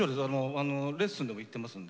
レッスンでもいってますんで。